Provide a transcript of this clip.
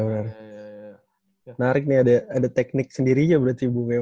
menarik nih ada teknik sendirinya berarti bu memo